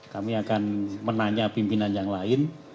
kami akan menanya pimpinan yang lain